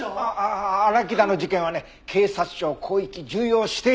あ荒木田の事件はね警察庁広域重要指定事件。